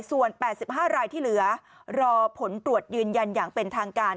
ส่วน๘๕รายที่เหลือรอผลตรวจยืนยันอย่างเป็นทางการ